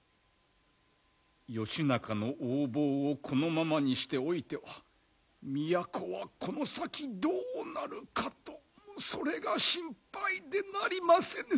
義仲の横暴をこのままにしておいては都はこの先どうなるかとそれが心配でなりませぬ。